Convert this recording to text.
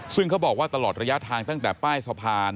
ซึ่งเขาบอกว่าตลอดระยะทางตั้งแต่ป้ายสะพาน